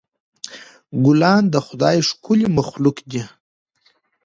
ګلان د خدای ښکلی مخلوق دی.